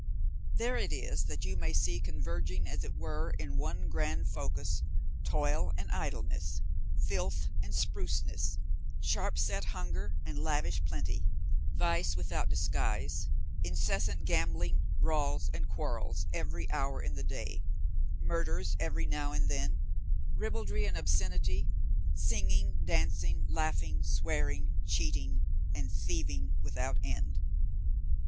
There it is that you may see converging as it were in one grand focus, toil and idleness, filth and spruceness, sharp set hunger and lavish plenty, vice without disguise, incessant gambling, brawls and quarrels every hour in the day, murders every now and then, ribaldry and obscenity, singing, dancing, laughing, swearing, cheating, and thieving without end.